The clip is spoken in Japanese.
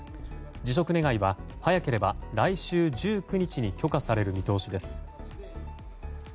辞職願は早ければ来週１９日に許可される見通しです。